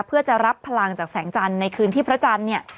เพื่อจะรับพลังจากแสงจันทร์ในคืนที่พระจันทร์เนี่ย